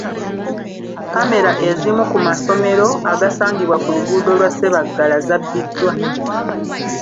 Kkamera ezimu ku masomero agasangibwa ku luguudo lwa ku Ssebaggala zabbiddwa.